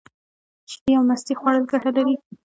شیدې او مستې خوړل گټه لري.